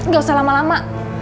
gak usah lama lama